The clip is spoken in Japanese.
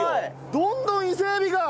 どんどん伊勢エビが。